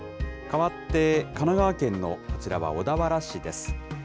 かわって、神奈川県のこちらは小田原市です。